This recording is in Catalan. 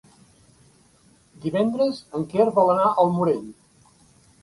Divendres en Quer vol anar al Morell.